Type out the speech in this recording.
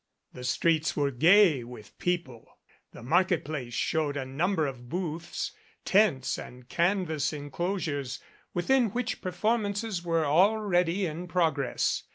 The streets were gay with people, the market place showed a number of booths, tents and canvas enclosures within which performances were already in progress.